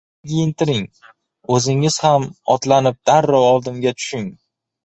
— Bolangizni kiyintiring. O‘zingiz ham otlanib darrov oldimga tushing!